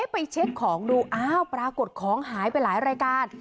ไปเช็คของดูอ้าวปรากฏของหายไปหลายรายการ